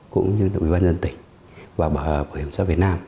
cũng như tổng thủy ban nhân tỉnh và bảo hiểm xã việt nam